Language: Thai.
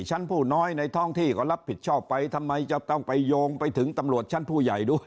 ชั้นผู้น้อยในท้องที่ก็รับผิดชอบไปทำไมจะต้องไปโยงไปถึงตำรวจชั้นผู้ใหญ่ด้วย